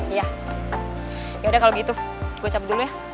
iya yaudah kalau gitu gue cabut dulu ya